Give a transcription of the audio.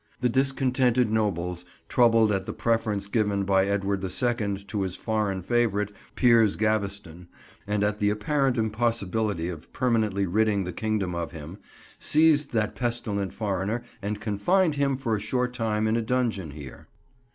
The discontented nobles, troubled at the preference given by Edward the Second to his foreign favourite, Piers Gaveston, and at the apparent impossibility of permanently ridding the kingdom of him, seized that pestilent foreigner and confined him for a short time in a dungeon here.